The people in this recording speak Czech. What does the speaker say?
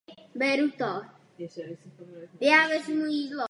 Její populace klesá.